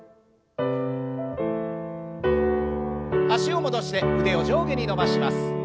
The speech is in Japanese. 脚を戻して腕を上下に伸ばします。